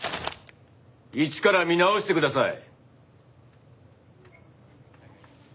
一から見直してください。